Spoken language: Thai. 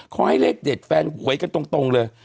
ให้เลขเด็ดแฟนหวยกันตรงเลย